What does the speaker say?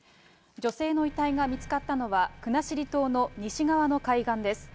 女性の遺体が見つかったのは、国後島の西側の海岸です。